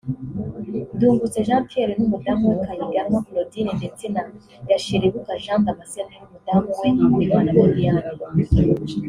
Ndungutse Jean Pierre n’umudamu we Kayiganwa Claudine ndetse na Gasherebuka Jean Damascène n’umudamu we Uwimana Viviane